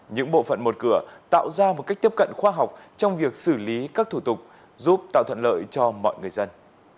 những bộ phận một cửa tạo ra một cách tiếp cận khoa học trong việc xử lý các thủ tục giúp tạo thuận lợi cho mọi người dân